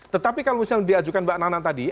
tetapi kalau misalnya diajukan mbak nana tadi